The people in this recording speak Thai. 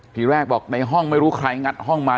ทีแรกบอกในห้องไม่รู้ใครงัดห้องมา